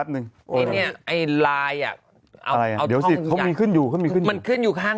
ตอนนี้คนดูเยอะหรือยัง